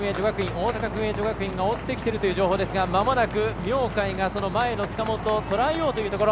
大阪薫英女学院が追ってきているという情報ですがまもなく明貝が前の塚本をとらえようというところ。